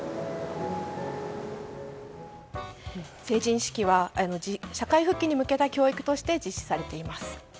成人式は社会復帰に向けた教育として実施されています。